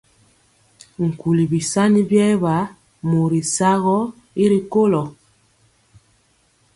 Nkuli bisani biɛɛba mori sagɔ y ri kolo.